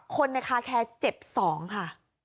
คนในคาแคร์เจ็บ๒ค่ะ